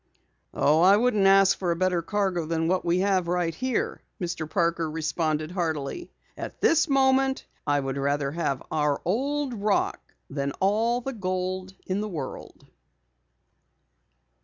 "Oh, I wouldn't ask for a better cargo than we have right here," Mr. Parker responded heartily. "At this moment I would rather have our old rock than all the gold in the world!"